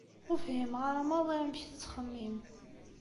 Ur fhimeɣ ara maḍi amek tettxemmim.